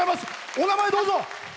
お名前をどうぞ。